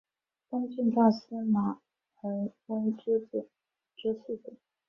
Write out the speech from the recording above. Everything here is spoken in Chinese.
东晋大司马桓温之四子。